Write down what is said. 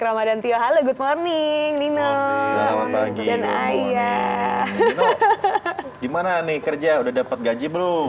ramadhan tio halo good morning nino pagi dan ayah gimana nih kerja udah dapet gaji belum